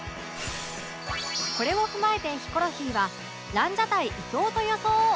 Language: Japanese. これを踏まえてヒコロヒーはランジャタイ伊藤と予想